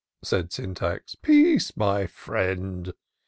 said Syntax, "peace, my friend.